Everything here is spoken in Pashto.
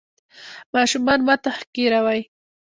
ماشومان مه تحقیروئ.